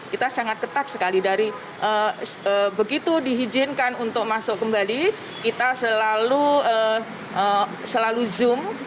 kita sangat ketat sekali dari begitu diizinkan untuk masuk kembali kita selalu zoom